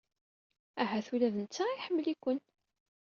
Ahat ula d netta iḥemmel-iken.